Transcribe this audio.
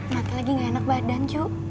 nanti lagi gak enak badan cu